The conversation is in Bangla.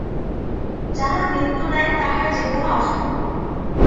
যাহার মৃত্যু নাই, তাহার জীবনও অসম্ভব।